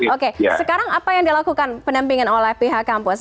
oke sekarang apa yang dilakukan pendampingan oleh pihak kampus